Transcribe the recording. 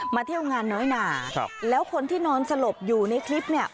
เที่ยวงานน้อยหนาแล้วคนที่นอนสลบอยู่ในคลิปเนี่ย